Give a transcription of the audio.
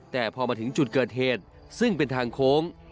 แต่พอมาถึงจุดเกิดเหตุซึ่งเป็นทางโค้ง